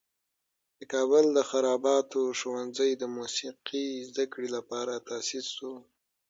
د کابل د خراباتو ښوونځی د موسیقي زده کړې لپاره تاسیس شو.